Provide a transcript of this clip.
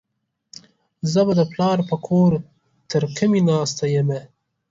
زه به د پلار په کور ترکمي ناسته يمه.